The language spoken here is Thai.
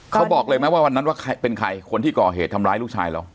เขาบอกเลยไหมว่าวันนั้นว่าใครเป็นใครคนที่ก่อเหตุทำร้ายลูกชายเรา